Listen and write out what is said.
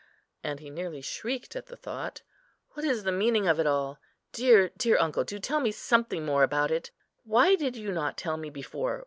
and he nearly shrieked at the thought. "What is the meaning of it all? dear, dear uncle, do tell me something more about it. Why did you not tell me before?